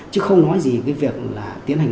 chứ không nói gì cái việc là tiến hành